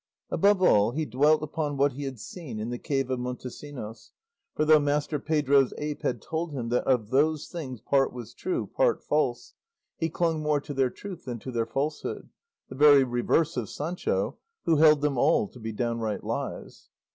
Above all, he dwelt upon what he had seen in the cave of Montesinos; for though Master Pedro's ape had told him that of those things part was true, part false, he clung more to their truth than to their falsehood, the very reverse of Sancho, who held them all to be downright lies.